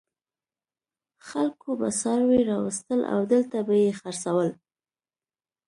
خلکو به څاروي راوستل او دلته به یې خرڅول.